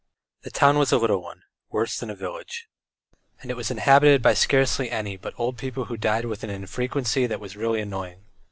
The town was a little one, worse than a village, and it was inhabited by scarcely any but old people who died with an infrequency that was really annoying.